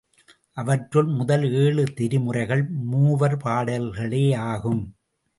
அவற்றுள் முதல் ஏழு திருமுறைகள் மூவர் பாடல்களேயாகும்.